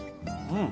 うん。